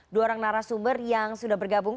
dua orang narasumber yang sudah bergabung